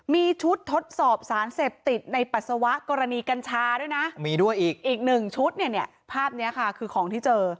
มีชุดทดสอบสารเสพติดในปัสสาวะกรณีกัญชาด้วยนะมีด้วยอีกอีกหนึ่งชุดเนี่ยเนี่ยภาพนี้ค่ะคือของที่เจอ